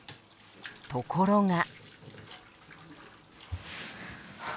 ところが。